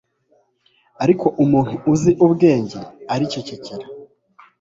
ariko umuntu uzi ubwenge aricecekera